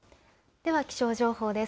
では気象情報です。